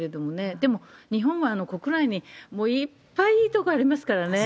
でも、日本は国内にもういっぱいいい所ありますからね。